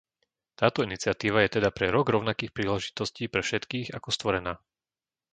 Táto iniciatíva je teda pre Rok rovnakých príležitostí pre všetkých ako stvorená.